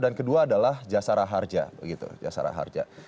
dan kedua adalah jasara harja